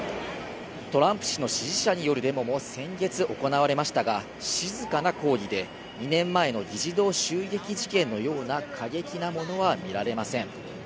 トランプ氏の支持者によるデモも先月行われましたが静かな抗議で２年前の議事堂襲撃事件のような過激なものは見られません。